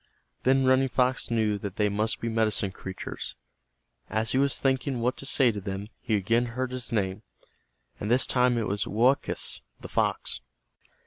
Then Running Fox knew that they must be medicine creatures. As he was thinking what to say to them, he again heard his name, and this time it was Woakus, the fox.